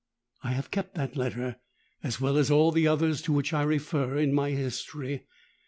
I have kept that letter—as well as all the others to which I refer in my history.